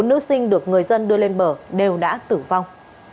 bốn nữ sinh được người dân đưa lên bờ đều đã tử vong